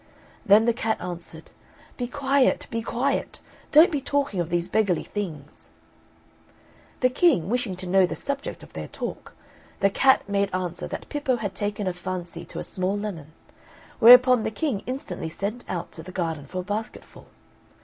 Then the cat answered, "Be quiet, be quiet; don't be talking of these beggarly things." The King, wishing to know the subject of their talk, the cat made answer that Pippo had taken a fancy to a small lemon; whereupon the King instantly sent out to the garden for a basketful.